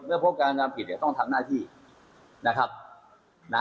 เมื่อพบการกระทำผิดเนี่ยต้องทำหน้าที่นะครับนะ